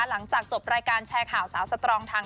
หลังจากจบรายการแชร์ข่าวสาวสตรองทาง